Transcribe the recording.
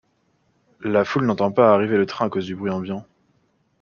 La foule n'entend pas arriver le train à cause du bruit ambiant.